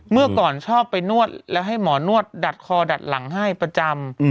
เมื่อก่อนชอบไปนวดแล้วให้หมอนวดดัดคอดัดหลังให้ประจำ